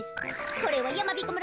これはやまびこ村